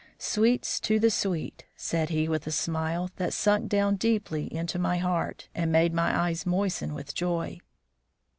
"Sweets to the sweet," said he, with a smile that sunk down deep into my heart and made my eyes moisten with joy.